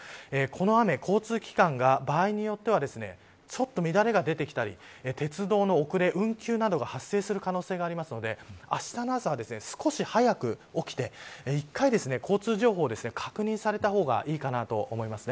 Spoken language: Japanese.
この雨交通機関が場合によってはちょっと乱れが出てきたり鉄道の遅れ、運休などが発生する可能性があるのであしたの朝は、少し早く起きて１回、交通情報を確認された方がいいかなと思います。